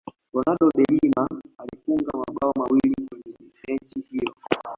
ronaldo de Lima alifunga mabao mawili kwenye mechi hiyo